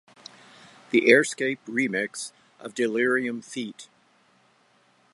The Airscape remix of Delerium feat.